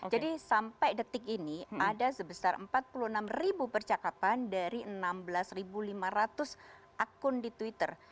jadi sampai detik ini ada sebesar empat puluh enam ribu percakapan dari enam belas lima ratus akun di twitter